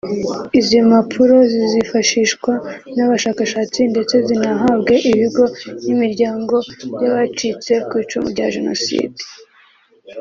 Izi mpapuro zizifashishwa n’abashakashatsi ndetse zinahabwe ibigo n’imiryango by’abacitse ku icumu rya Jenoside